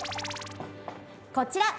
こちら！